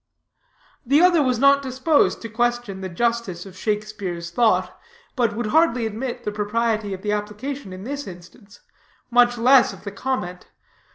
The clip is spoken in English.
The other was not disposed to question the justice of Shakespeare's thought, but would hardly admit the propriety of the application in this instance, much less of the comment.